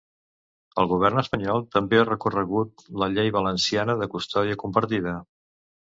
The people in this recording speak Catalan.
El govern espanyol també ha recorregut la llei valenciana de custòdia compartida.